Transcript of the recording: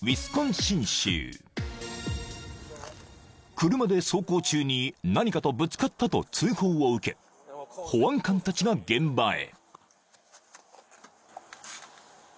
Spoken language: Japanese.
［車で走行中に何かとぶつかったと通報を受け保安官たちが現場へ］